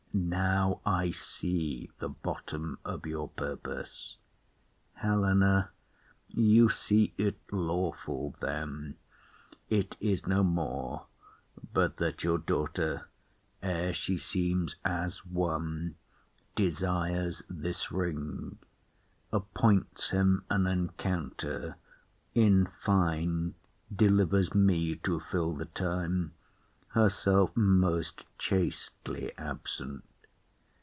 Now I see The bottom of your purpose. HELENA. You see it lawful then; it is no more But that your daughter, ere she seems as won, Desires this ring; appoints him an encounter; In fine, delivers me to fill the time, Herself most chastely absent.